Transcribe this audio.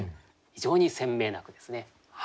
非常に鮮明な句ですね。